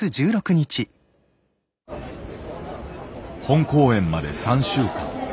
本公演まで３週間。